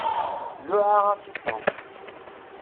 Luɛaɣ-as i Tom.